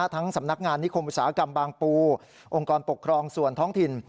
สำนักงานนิคมอุตสาหกรรมบางปูองค์กรปกครองส่วนท้องถิ่น